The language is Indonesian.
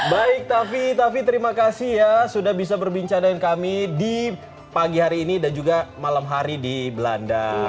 baik taffi tavi terima kasih ya sudah bisa berbincang dengan kami di pagi hari ini dan juga malam hari di belanda